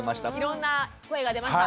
いろんな声が出ました。